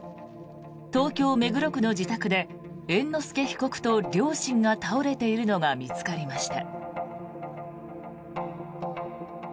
東京・目黒区の自宅で猿之助被告と両親が倒れているのが見つかりました。